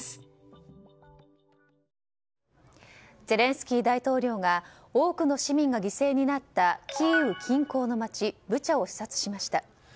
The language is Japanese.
ゼレンスキー大統領が多くの市民が犠牲になったキーウ近郊の街ブチャを視察しました。